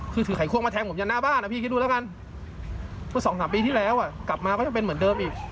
คือถือไขควงมาแทงผมยันหน้าบ้านนะพี่คิดดูแล้วกันเมื่อสองสามปีที่แล้วกลับมาก็จะเป็นเหมือนเดิมอีก